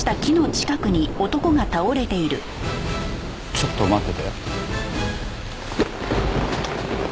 ちょっと待ってて。